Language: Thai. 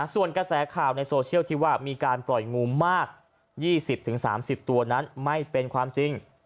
ส่วนกระแสข่าวในโซเชียลที่ว่ามีการปล่อยงูมาก๒๐๓๐ตัวนั้นไม่เป็นความจริง